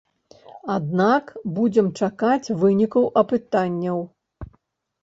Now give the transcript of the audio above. Аднак будзем чакаць вынікаў апытанняў.